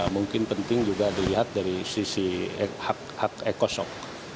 mungkin penting juga dilihat dari sisi hak hak ekosok